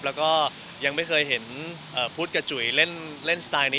แล้วก็ยังไม่เคยเห็นพุทธกับจุ๋ยเล่นสไตล์นี้